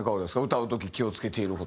歌う時気を付けている事。